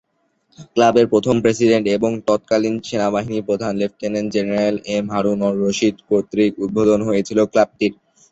ক্লাবের প্রথম প্রেসিডেন্ট এবং তৎকালীন সেনাবাহিনী প্রধান লেফটেন্যান্ট জেনারেল এম হারুন-অর-রশিদ কর্তৃক উদ্বোধন হয়েছিল ক্লাবটির।